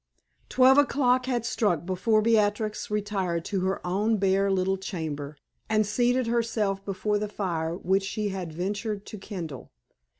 Twelve o'clock had struck before Beatrix retired to her own bare little chamber, and seated herself before the fire which she had ventured to kindle.